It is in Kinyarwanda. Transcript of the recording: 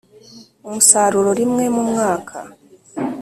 umusaruro rimwe mumwaka